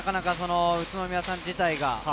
宇都宮さん自体が。